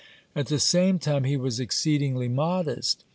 (50) At the same time he was exceedingly modest.